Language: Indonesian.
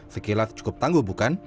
sekilas cukup tangguh bukan